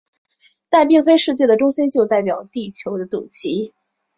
但并非世界的中心就代表地球的肚脐。